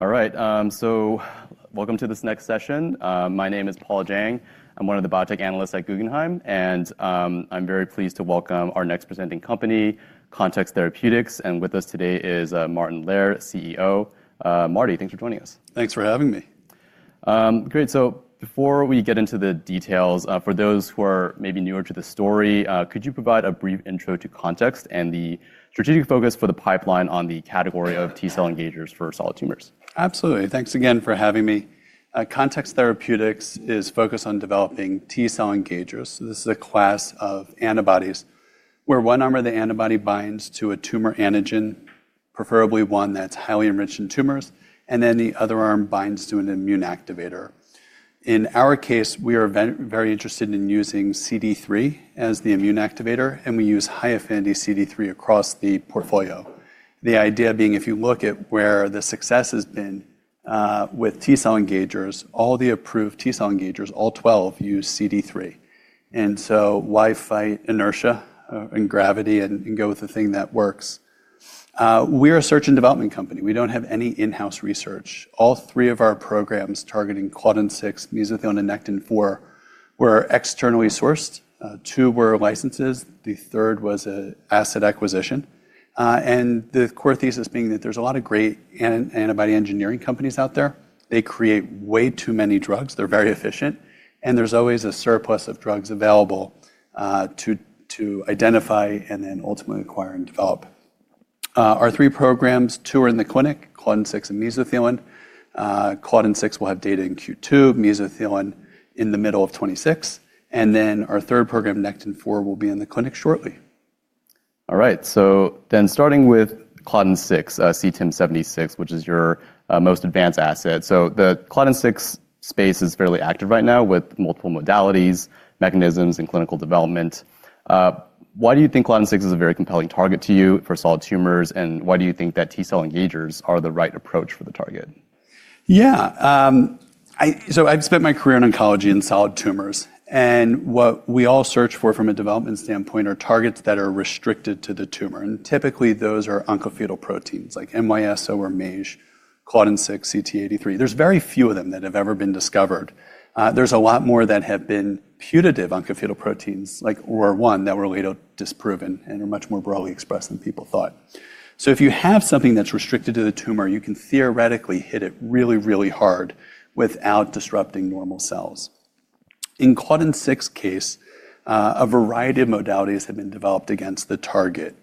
All right. So welcome to this next session. My name is Paul Jiang. I'm one of the biotech analysts at Guggenheim, and I'm very pleased to welcome our next presenting company, Context Therapeutics. And with us today is Martin Lehr, CEO. Marty, thanks for joining us. Thanks for having me. Great. Before we get into the details, for those who are maybe newer to the story, could you provide a brief intro to Context and the strategic focus for the pipeline on the category of T-cell engagers for solid tumors? Absolutely. Thanks again for having me. Context Therapeutics is focused on developing T-cell engagers. This is a class of antibodies where one arm of the antibody binds to a tumor antigen, preferably one that's highly enriched in tumors, and then the other arm binds to an immune activator. In our case, we are very interested in using CD3 as the immune activator, and we use high affinity CD3 across the portfolio. The idea being, if you look at where the success has been with T-cell engagers, all the approved T-cell engagers, all 12, use CD3. Why fight inertia and gravity and go with the thing that works? We are a search and development company. We do not have any in-house research. All three of our programs targeting Claudin-6, Mesothelin, and Nectin-4 were externally sourced. Two were licenses. The third was an asset acquisition. The core thesis being that there's a lot of great antibody engineering companies out there. They create way too many drugs. They're very efficient. There's always a surplus of drugs available to identify and then ultimately acquire and develop. Our three programs, two are in the clinic, Claudin-6 and Mesothelin. Claudin-6 will have data in Q2, Mesothelin in the middle of 2026. Our third program, Nectin-4, will be in the clinic shortly. All right. So then starting with Claudin-6, CTIM-76, which is your most advanced asset. The Claudin-6 space is fairly active right now with multiple modalities, mechanisms, and clinical development. Why do you think Claudin-6 is a very compelling target to you for solid tumors, and why do you think that T-cell engagers are the right approach for the target? Yeah. So I've spent my career in oncology in solid tumors. What we all search for from a development standpoint are targets that are restricted to the tumor. Typically, those are oncofetal proteins like MYSO or MAGE, Claudin-6, CT83. There's very few of them that have ever been discovered. There's a lot more that have been putative oncofetal proteins like OR-1 that were later disproven and are much more broadly expressed than people thought. If you have something that's restricted to the tumor, you can theoretically hit it really, really hard without disrupting normal cells. In Claudin-6 case, a variety of modalities have been developed against the target.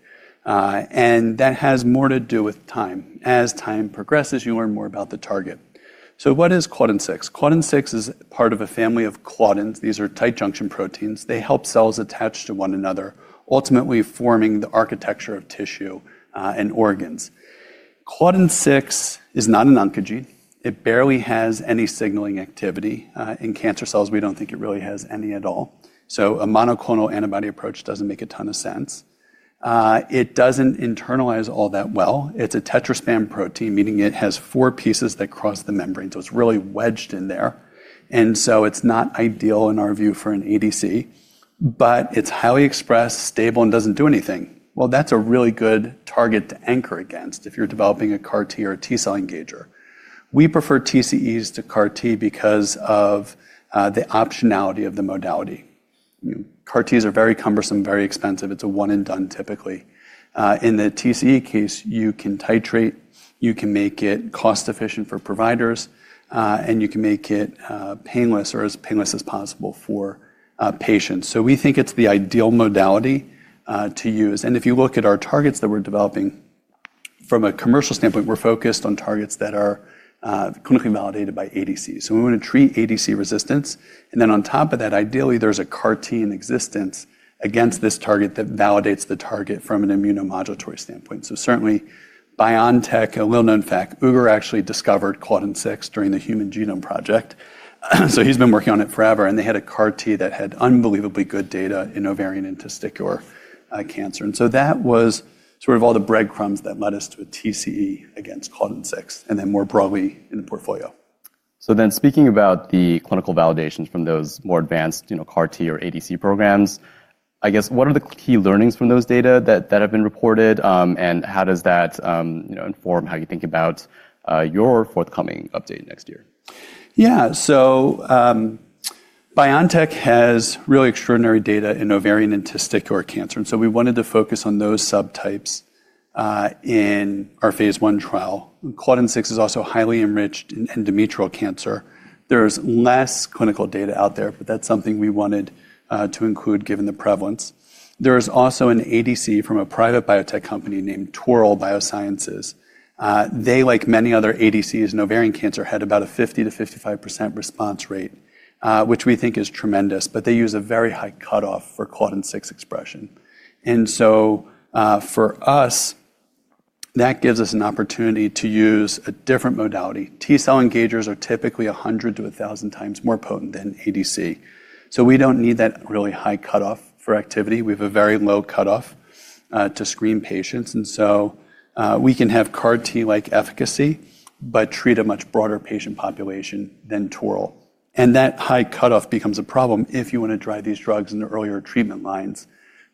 That has more to do with time. As time progresses, you learn more about the target. What is Claudin-6? Claudin-6 is part of a family of Claudins. These are tight junction proteins. They help cells attach to one another, ultimately forming the architecture of tissue and organs. Claudin-6 is not an oncogene. It barely has any signaling activity. In cancer cells, we do not think it really has any at all. So a monoclonal antibody approach does not make a ton of sense. It does not internalize all that well. It is a tetraspan protein, meaning it has four pieces that cross the membrane. It is really wedged in there. It is not ideal in our view for an ADC, but it is highly expressed, stable, and does not do anything. That is a really good target to anchor against if you are developing a CAR-T or a T-cell engager. We prefer TCEs to CAR-T because of the optionality of the modality. CAR-Ts are very cumbersome, very expensive. It is a one-and-done typically. In the TCE case, you can titrate, you can make it cost-efficient for providers, and you can make it painless or as painless as possible for patients. We think it's the ideal modality to use. If you look at our targets that we're developing, from a commercial standpoint, we're focused on targets that are clinically validated by ADCs. We want to treat ADC resistance. On top of that, ideally, there's a CAR-T in existence against this target that validates the target from an immunomodulatory standpoint. Certainly, BioNTech, a well-known fact, UGER actually discovered Claudin-6 during the Human Genome Project. He's been working on it forever. They had a CAR-T that had unbelievably good data in ovarian and testicular cancer. That was sort of all the breadcrumbs that led us to a TCE against Claudin-6 and then more broadly in the portfolio. Speaking about the clinical validations from those more advanced CAR-T or ADC programs, I guess, what are the key learnings from those data that have been reported, and how does that inform how you think about your forthcoming update next year? Yeah. BioNTech has really extraordinary data in ovarian and testicular cancer. We wanted to focus on those subtypes in our phase I trial. Claudin-6 is also highly enriched in endometrial cancer. There is less clinical data out there, but that is something we wanted to include given the prevalence. There is also an ADC from a private biotech company named TORL Biosciences. They, like many other ADCs in ovarian cancer, had about a 50%-55% response rate, which we think is tremendous, but they use a very high cutoff for Claudin-6 expression. For us, that gives us an opportunity to use a different modality. T-cell engagers are typically 100-1,000x more potent than ADC. We do not need that really high cutoff for activity. We have a very low cutoff to screen patients. We can have CAR-T-like efficacy, but treat a much broader patient population than TORL. That high cutoff becomes a problem if you want to drive these drugs in the earlier treatment lines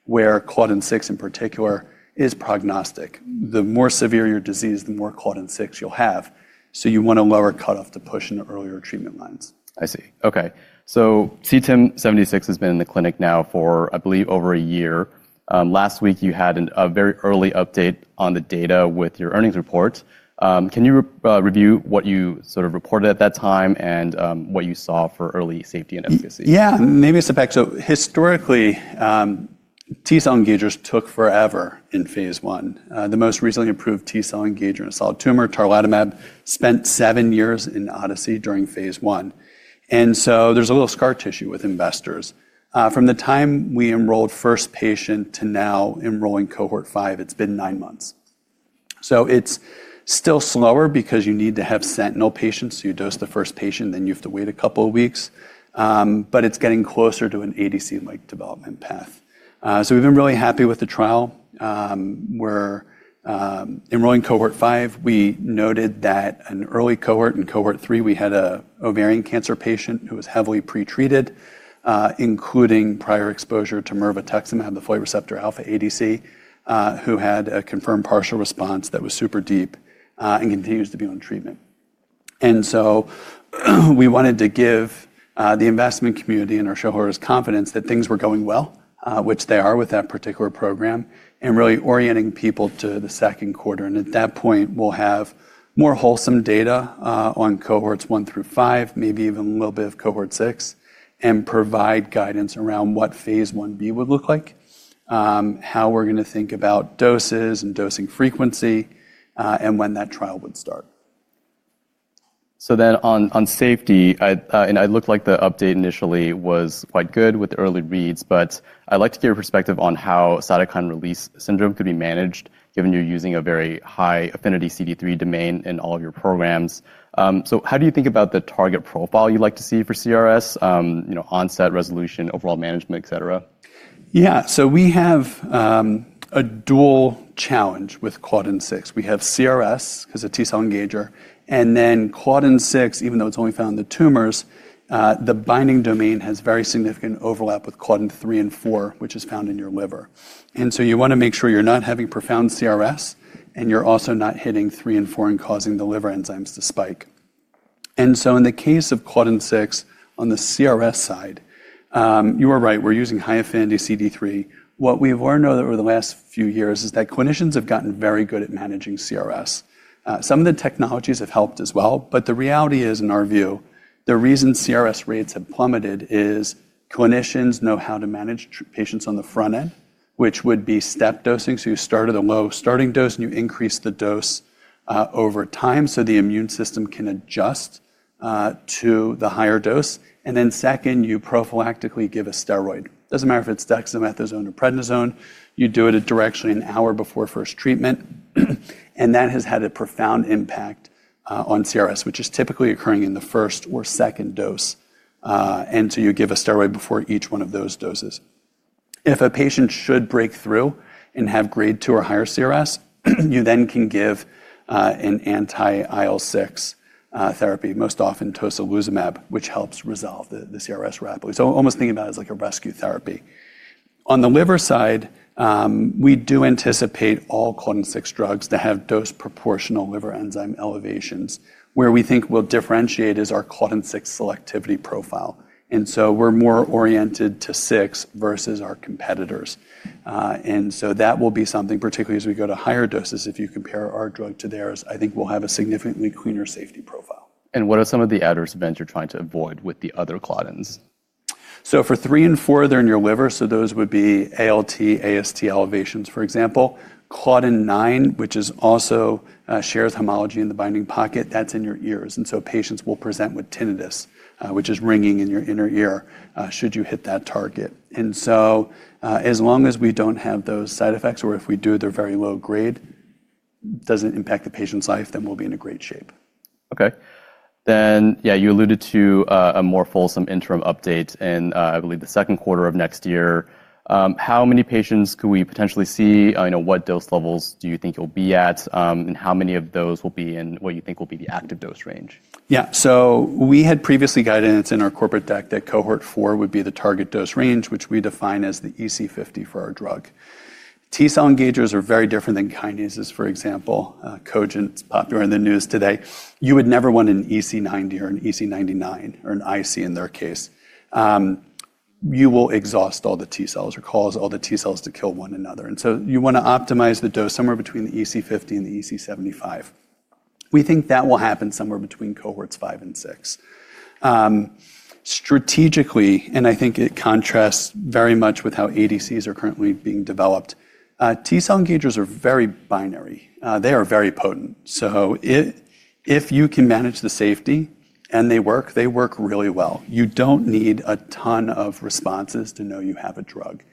where Claudin-6 in particular is prognostic. The more severe your disease, the more Claudin-6 you'll have. You want a lower cutoff to push in the earlier treatment lines. I see. Okay. CTIM-76 has been in the clinic now for, I believe, over a year. Last week, you had a very early update on the data with your earnings report. Can you review what you sort of reported at that time and what you saw for early safety and efficacy? Yeah. Maybe a step back. Historically, T-cell engagers took forever in phase I. The most recently approved T-cell engager in a solid tumor, Tarlatamab, spent seven years in Odyssey during phase I. There is a little scar tissue with investors. From the time we enrolled first patient to now enrolling cohort five, it has been nine months. It is still slower because you need to have sentinel patients. You dose the first patient, then you have to wait a couple of weeks. It is getting closer to an ADC-like development path. We've been really happy with the trial. We're enrolling cohort five. We noted that in an early cohort, in cohort three, we had an ovarian cancer patient who was heavily pretreated, including prior exposure to Mirvetuximab, the folate receptor alpha ADC, who had a confirmed partial response that was super deep and continues to be on treatment. We wanted to give the investment community and our shareholders confidence that things were going well, which they are with that particular program, and really orienting people to the second quarter. At that point, we'll have more wholesome data on cohorts one through five, maybe even a little bit of cohort six, and provide guidance around what phase I-B would look like, how we're going to think about doses and dosing frequency, and when that trial would start. On safety, it looked like the update initially was quite good with the early reads, but I'd like to get your perspective on how cytokine release syndrome could be managed given you're using a very high affinity CD3 domain in all of your programs. How do you think about the target profile you'd like to see for CRS, onset, resolution, overall management, et cetera? Yeah. So we have a dual challenge with Claudin-6. We have CRS because it's a T-cell engager. Claudin-6, even though it's only found in the tumors, the binding domain has very significant overlap with Claudin-3 and 4, which is found in your liver. You want to make sure you're not having profound CRS, and you're also not hitting three and four and causing the liver enzymes to spike. In the case of Claudin-6 on the CRS side, you were right. We're using high affinity CD3. What we've learned over the last few years is that clinicians have gotten very good at managing CRS. Some of the technologies have helped as well. The reality is, in our view, the reason CRS rates have plummeted is clinicians know how to manage patients on the front-end, which would be step dosing. You start at a low starting dose, and you increase the dose over time so the immune system can adjust to the higher dose. Second, you prophylactically give a steroid. It does not matter if it is dexamethasone or prednisone. You do it at direction an hour before first treatment. That has had a profound impact on CRS, which is typically occurring in the first or second dose. You give a steroid before each one of those doses. If a patient should break through and have grade two or higher CRS, you then can give an anti-IL-6 therapy, most often tocilizumab, which helps resolve the CRS rapidly. Almost thinking about it as like a rescue therapy. On the liver side, we do anticipate all Claudin-6 drugs to have dose proportional liver enzyme elevations. Where we think we will differentiate is our Claudin-6 selectivity profile. We are more oriented to six versus our competitors. That will be something, particularly as we go to higher doses. If you compare our drug to theirs, I think we will have a significantly cleaner safety profile. What are some of the adverse events you're trying to avoid with the other Claudins? For three and four, they're in your liver. Those would be ALT, AST elevations, for example. Claudin-9, which also shares homology in the binding pocket, that's in your ears. Patients will present with tinnitus, which is ringing in your inner ear should you hit that target. As long as we don't have those side effects or if we do, they're very low grade, it doesn't impact the patient's life, then we'll be in great shape. Okay. Then, yeah, you alluded to a more fulsome interim update in, I believe, the second quarter of next year. How many patients could we potentially see? What dose levels do you think you'll be at? How many of those will be in what you think will be the active dose range? Yeah. We had previously guided in our corporate deck that cohort four would be the target dose range, which we define as the EC50 for our drug. T-cell engagers are very different than kinases, for example. Cogent's popular in the news today. You would never want an EC90 or an EC99 or an IC in their case. You will exhaust all the T cells or cause all the T-cells to kill one another. You want to optimize the dose somewhere between the EC50 and the EC75. We think that will happen somewhere between cohorts five and six. Strategically, and I think it contrasts very much with how ADCs are currently being developed, T-cell engagers are very binary. They are very potent. If you can manage the safety and they work, they work really well. You do not need a ton of responses to know you have a drug.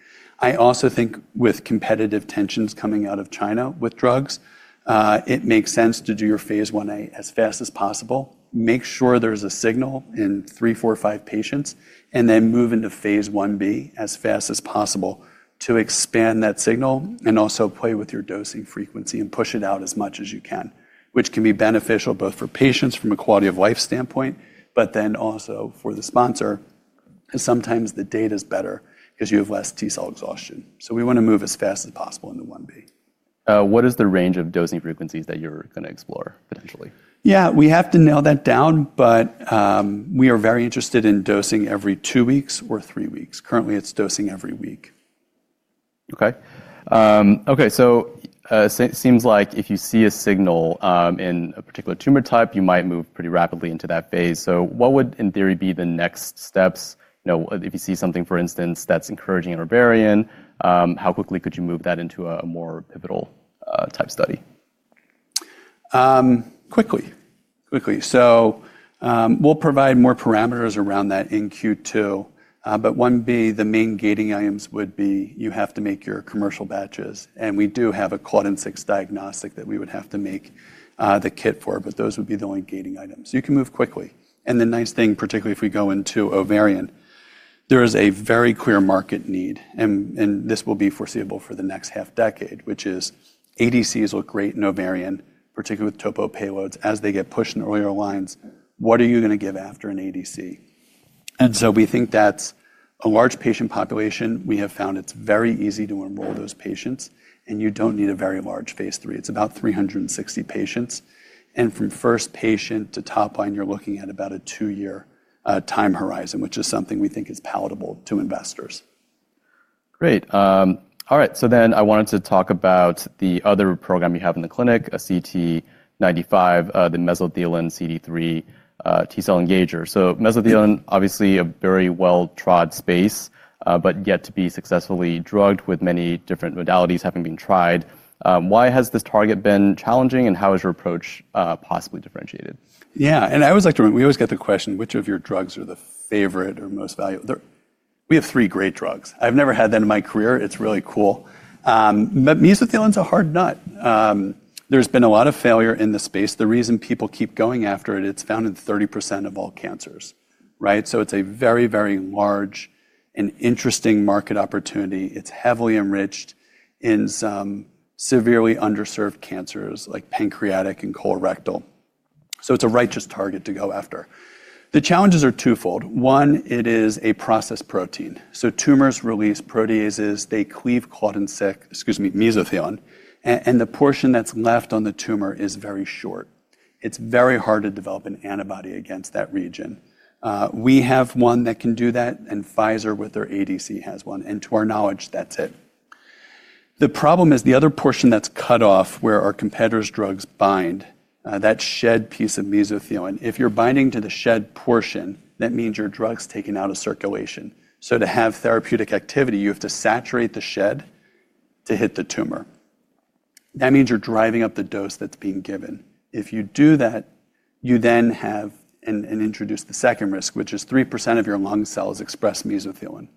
I also think with competitive tensions coming out of China with drugs, it makes sense to do your phase I-A as fast as possible. Make sure there is a signal in three, four, five patients, and then move into phase I-B as fast as possible to expand that signal and also play with your dosing frequency and push it out as much as you can, which can be beneficial both for patients from a quality of life standpoint, but then also for the sponsor. Sometimes the data is better because you have less T-cell exhaustion. We want to move as fast as possible into I-B. What is the range of dosing frequencies that you're going to explore potentially? Yeah. We have to nail that down, but we are very interested in dosing every two weeks or three weeks. Currently, it's dosing every week. Okay. Okay. It seems like if you see a signal in a particular tumor type, you might move pretty rapidly into that phase. What would, in theory, be the next steps? If you see something, for instance, that's encouraging in ovarian, how quickly could you move that into a more pivotal type study? Quickly. Quickly. We'll provide more parameters around that in Q2. I-B, the main gating items would be you have to make your commercial batches. We do have a Claudin-6 diagnostic that we would have to make the kit for, but those would be the only gating items. You can move quickly. The nice thing, particularly if we go into ovarian, is there is a very clear market need. This will be foreseeable for the next half decade, which is ADCs look great in ovarian, particularly with TOPO payloads as they get pushed in earlier lines. What are you going to give after an ADC? We think that's a large patient population. We have found it's very easy to enroll those patients, and you don't need a very large phase III. It's about 360 patients. From first patient to top line, you're looking at about a two-year time horizon, which is something we think is palatable to investors. Great. All right. I wanted to talk about the other program you have in the clinic, CT-95, the mesothelin CD3 T-cell engager. Mesothelin, obviously a very well-trod space, but yet to be successfully drugged with many different modalities having been tried. Why has this target been challenging, and how is your approach possibly differentiated? Yeah. I always like to remember, we always get the question, which of your drugs are the favorite or most valuable? We have three great drugs. I've never had that in my career. It's really cool. Mesothelin's a hard nut. There's been a lot of failure in the space. The reason people keep going after it, it's found in 30% of all cancers, right? It's a very, very large and interesting market opportunity. It's heavily enriched in some severely underserved cancers like pancreatic and colorectal. It's a righteous target to go after. The challenges are twofold. One, it is a processed protein. Tumors release proteases. They cleave Claudin-6, excuse me, mesothelin, and the portion that's left on the tumor is very short. It's very hard to develop an antibody against that region. We have one that can do that, and Pfizer with their ADC has one. To our knowledge, that's it. The problem is the other portion that's cut off where our competitor's drugs bind, that shed piece of mesothelin. If you're binding to the shed portion, that means your drug's taken out of circulation. To have therapeutic activity, you have to saturate the shed to hit the tumor. That means you're driving up the dose that's being given. If you do that, you then have and introduce the second risk, which is 3% of your lung cells express mesothelin.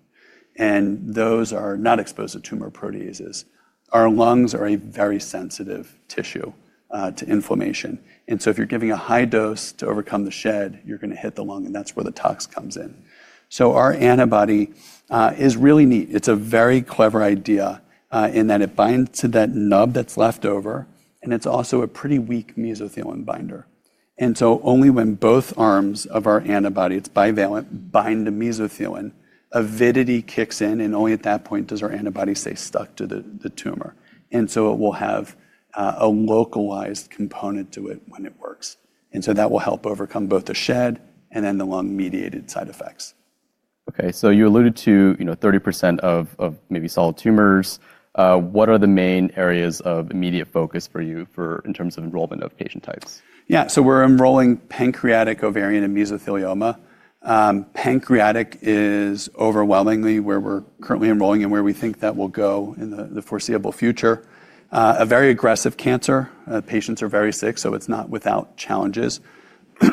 Those are not exposed to tumor proteases. Our lungs are a very sensitive tissue to inflammation. If you're giving a high dose to overcome the shed, you're going to hit the lung, and that's where the tox comes in. Our antibody is really neat. It's a very clever idea in that it binds to that nub that's left over, and it's also a pretty weak mesothelin binder. Only when both arms of our antibody, it's bivalent, bind the mesothelin, avidity kicks in, and only at that point does our antibody stay stuck to the tumor. It will have a localized component to it when it works. That will help overcome both the shed and then the lung-mediated side effects. Okay. You alluded to 30% of maybe solid tumors. What are the main areas of immediate focus for you in terms of enrollment of patient types? Yeah. So we're enrolling pancreatic, ovarian, and mesothelioma. Pancreatic is overwhelmingly where we're currently enrolling and where we think that will go in the foreseeable future. A very aggressive cancer. Patients are very sick, so it's not without challenges.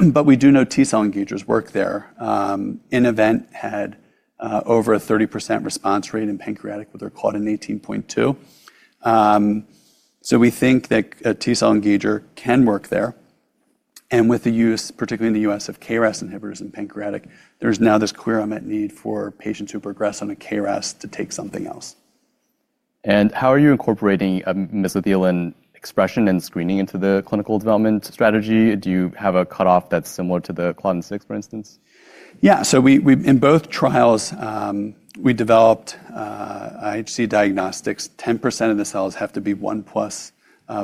But we do know T-cell engagers work there. Innovent had over a 30% response rate in pancreatic with their Claudin-18.2. So we think that a T cell engager can work there. And with the use, particularly in the US, of KRAS inhibitors in pancreatic, there's now this clear unmet need for patients who progress on a KRAS to take something else. How are you incorporating mesothelin expression and screening into the clinical development strategy? Do you have a cutoff that's similar to the Claudin-6, for instance? Yeah. In both trials, we developed IHC diagnostics. 10% of the cells have to be 1+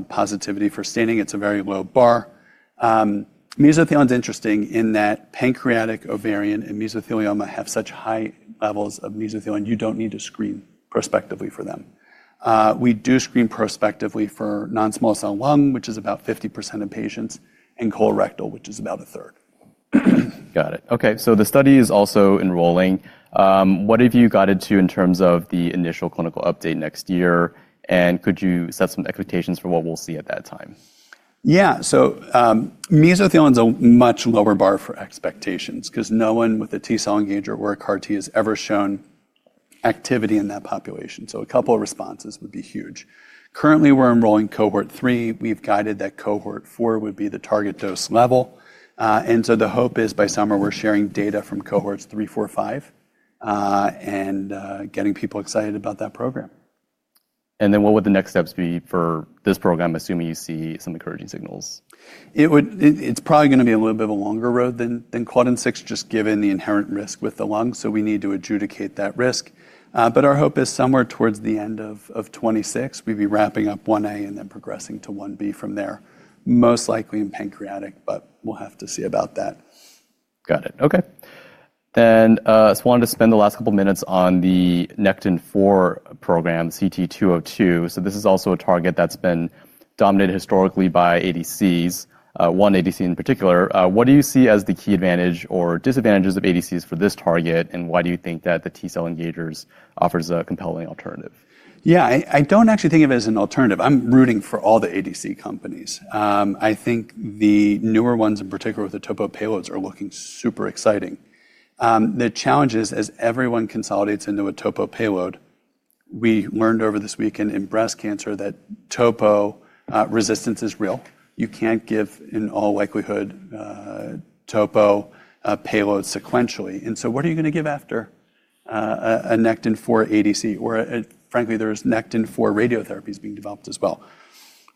positivity for staining. It is a very low bar. Mesothelin is interesting in that pancreatic, ovarian, and mesothelioma have such high levels of mesothelin, you do not need to screen prospectively for them. We do screen prospectively for non-small cell lung, which is about 50% of patients, and colorectal, which is about a third. Got it. Okay. The study is also enrolling. What have you guided to in terms of the initial clinical update next year? Could you set some expectations for what we'll see at that time? Yeah. Mesothelin is a much lower bar for expectations because no one with a T-cell engager or a CAR-T has ever shown activity in that population. A couple of responses would be huge. Currently, we're enrolling cohort three. We've guided that cohort four would be the target dose level. The hope is by summer, we're sharing data from cohorts three, four, five, and getting people excited about that program. What would the next steps be for this program, assuming you see some encouraging signals? It's probably going to be a little bit of a longer road than Claudin-6, just given the inherent risk with the lung. We need to adjudicate that risk. Our hope is somewhere towards the end of 2026, we'd be wrapping up I-A and then progressing to I-B from there, most likely in pancreatic, but we'll have to see about that. Got it. Okay. Then I just wanted to spend the last couple of minutes on the Nectin-4 program, CT202. This is also a target that's been dominated historically by ADCs, one ADC in particular. What do you see as the key advantage or disadvantages of ADCs for this target, and why do you think that the T-cell engagers offer a compelling alternative? Yeah. I do not actually think of it as an alternative. I am rooting for all the ADC companies. I think the newer ones, in particular with the TOPO payloads, are looking super exciting. The challenge is, as everyone consolidates into a TOPO payload, we learned over this weekend in breast cancer that TOPO resistance is real. You cannot give, in all likelihood, TOPO payloads sequentially. What are you going to give after a Nectin-4 ADC? Frankly, there are Nectin-4 radiotherapies being developed as well.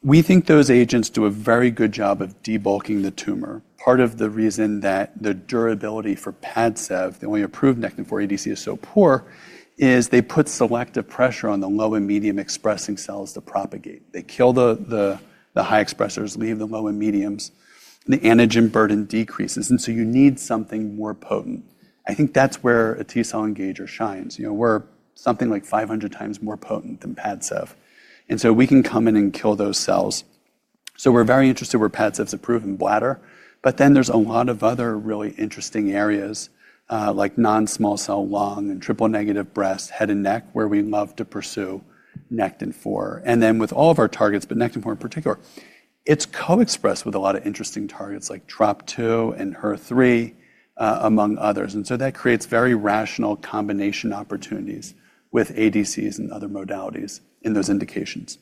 We think those agents do a very good job of debulking the tumor. Part of the reason that the durability for PADCEV, the only approved Nectin-4 ADC, is so poor is they put selective pressure on the low and medium expressing cells to propagate. They kill the high expressors, leave the low and mediums. The antigen burden decreases. You need something more potent. I think that's where a T-cell engager shines. We're something like 500x more potent than PADCEV. We can come in and kill those cells. We're very interested where PADCEV's approved in bladder. There are a lot of other really interesting areas like non-small cell lung and triple negative breast, head and neck, where we love to pursue Nectin-4. With all of our targets, but Nectin-4 in particular, it's co-expressed with a lot of interesting targets like TROP2 and HER3, among others. That creates very rational combination opportunities with ADCs and other modalities in those indications.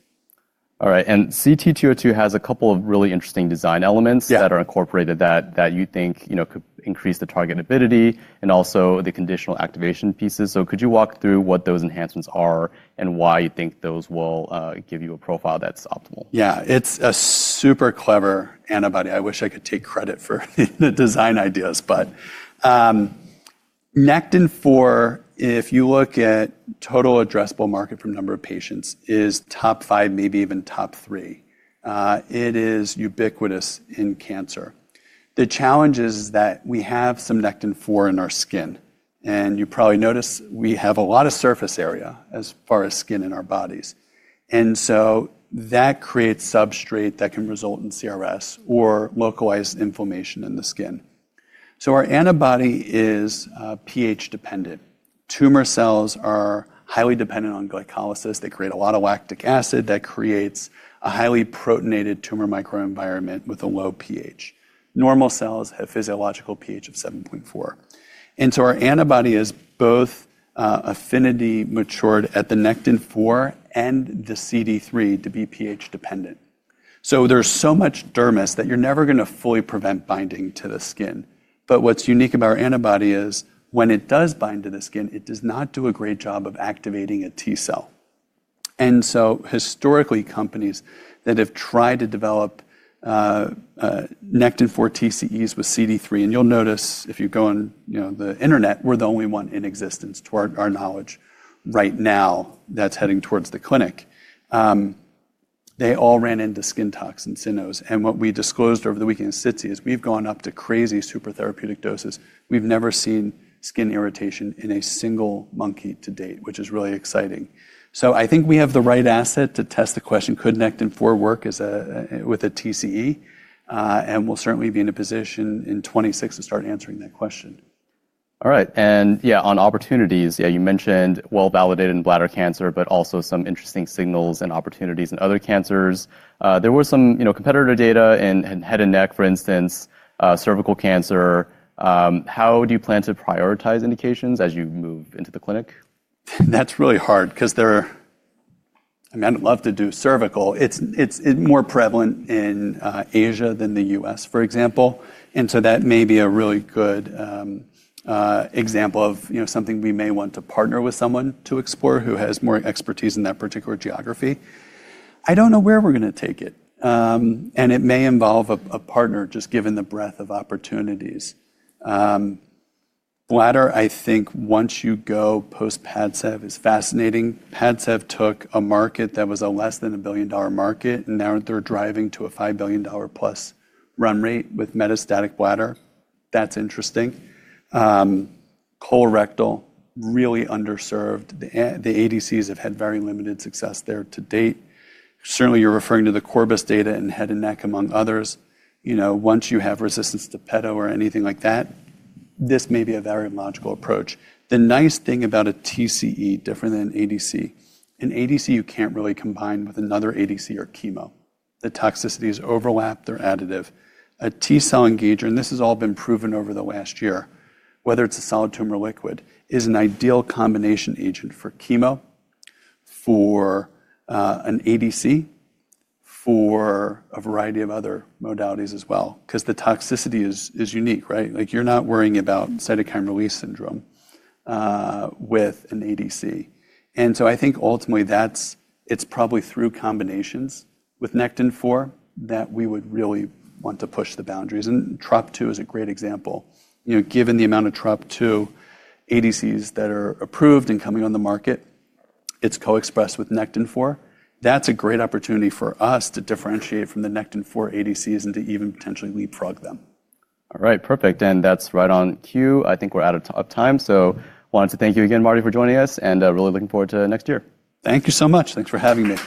All right. CT202 has a couple of really interesting design elements that are incorporated that you think could increase the target avidity and also the conditional activation pieces. Could you walk through what those enhancements are and why you think those will give you a profile that's optimal? Yeah. It's a super clever antibody. I wish I could take credit for the design ideas, but Nectin-4, if you look at total addressable market from number of patients, is top five, maybe even top three. It is ubiquitous in cancer. The challenge is that we have some Nectin-4 in our skin. You probably noticed we have a lot of surface area as far as skin in our bodies. That creates substrate that can result in CRS or localized inflammation in the skin. Our antibody is pH dependent. Tumor cells are highly dependent on glycolysis. They create a lot of lactic acid that creates a highly protonated tumor microenvironment with a low pH. Normal cells have physiological pH of 7.4. Our antibody is both affinity matured at the Nectin-4 and the CD3 to be pH dependent. There's so much dermis that you're never going to fully prevent binding to the skin. What's unique about our antibody is when it does bind to the skin, it does not do a great job of activating a T-cell. Historically, companies that have tried to develop Nectin-4 TCEs with CD3, and you'll notice if you go on the internet, we're the only one in existence to our knowledge right now that's heading towards the clinic. They all ran into skin toxicities, SINOs. What we disclosed over the weekend in SITC is we've gone up to crazy super therapeutic doses. We've never seen skin irritation in a single monkey to date, which is really exciting. I think we have the right asset to test the question, could Nectin-4 work with a TCE? We will certainly be in a position in 2026 to start answering that question. All right. Yeah, on opportunities, you mentioned well-validated in bladder cancer, but also some interesting signals and opportunities in other cancers. There were some competitor data in head and neck, for instance, cervical cancer. How do you plan to prioritize indications as you move into the clinic? That's really hard because there are, I mean, I'd love to do cervical. It's more prevalent in Asia than the U.S., for example. That may be a really good example of something we may want to partner with someone to explore who has more expertise in that particular geography. I don't know where we're going to take it. It may involve a partner just given the breadth of opportunities. Bladder, I think once you go post-PADCEV is fascinating. PADCEV took a market that was a less than a billion-dollar market, and now they're driving to a $5 billion+ run rate with metastatic bladder. That's interesting. Colorectal, really underserved. The ADCs have had very limited success there to date. Certainly, you're referring to the Corbus data and head and neck, among others. Once you have resistance to PADCEV or anything like that, this may be a very logical approach. The nice thing about a TCE, different than an ADC, an ADC you can't really combine with another ADC or chemo. The toxicity is overlapped. They're additive. A T-cell engager, and this has all been proven over the last year, whether it's a solid tumor or liquid, is an ideal combination agent for chemo, for an ADC, for a variety of other modalities as well, because the toxicity is unique, right? You're not worrying about cytokine release syndrome with an ADC. I think ultimately it's probably through combinations with Nectin-4 that we would really want to push the boundaries. TROP2 is a great example. Given the amount of TROP2 ADCs that are approved and coming on the market, it's co-expressed with Nectin-4. That's a great opportunity for us to differentiate from the Nectin-4 ADCs and to even potentially leapfrog them. All right. Perfect. That's right on cue. I think we're out of time. I wanted to thank you again, Marty, for joining us, and really looking forward to next year. Thank you so much. Thanks for having me.